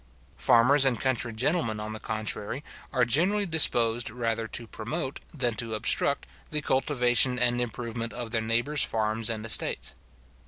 Farmers and country gentlemen, on the contrary, are generally disposed rather to promote, than to obstruct, the cultivation and improvement of their neighbours farms and estates.